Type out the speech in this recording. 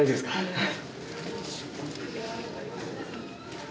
はい。